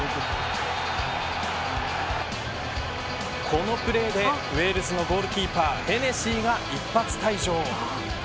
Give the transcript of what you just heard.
このプレーでウェールズのゴールキーパーヘネシーが一発退場。